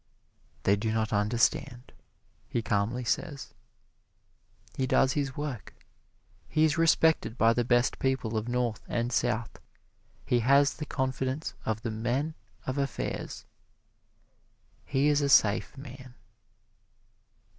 "They do not understand," he calmly says. He does his work. He is respected by the best people of North and South. He has the confidence of the men of affairs he is a safe man.